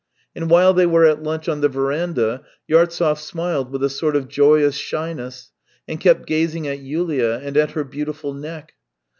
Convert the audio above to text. And while they were at lunch on the verandah, Yartsev smiled with a sort of joyous shyness, and kept gazing at Yulia and at her beautiful neck.